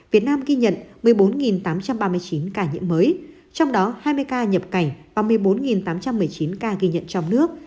việt nam ghi nhận một mươi bốn tám trăm ba mươi chín ca nhiễm mới trong đó hai mươi ca nhập cảnh và một mươi bốn tám trăm một mươi chín ca ghi nhận trong nước